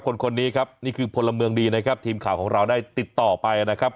คนนี้ครับนี่คือพลเมืองดีนะครับทีมข่าวของเราได้ติดต่อไปนะครับ